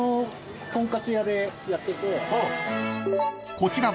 ［こちらは］